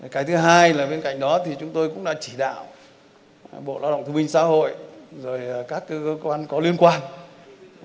cái thứ hai là bên cạnh đó thì chúng tôi cũng đã chỉ đạo bộ lao động thương minh xã hội rồi các cơ quan có liên quan